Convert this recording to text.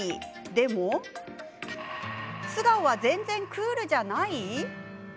でも素顔は、全然クールじゃない？